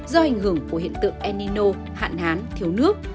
do ảnh hưởng của hiện tượng enino hạn hán thiếu nước